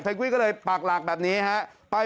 เพนกวินก็เลยปากหลากแบบนี้ครับ